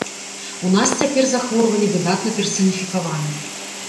У нас цяпер захворванне выдатна персаніфікаванае.